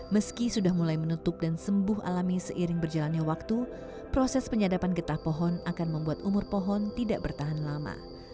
meski sudah mulai menutup dan sembuh alami seiring berjalannya waktu proses penyadapan getah pohon akan membuat umur pohon tidak bertahan lama